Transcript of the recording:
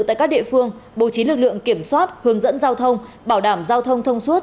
tại các địa phương bố trí lực lượng kiểm soát hướng dẫn giao thông bảo đảm giao thông thông suốt